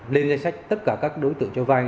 lên danh sách tất cả các đối tượng cho vay